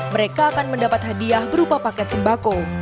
mereka akan mendapat hadiah berupa paket sembako